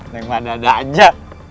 neng mana ada aja